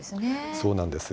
そうなんです。